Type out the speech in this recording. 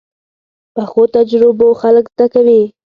پخو تجربو خلک زده کوي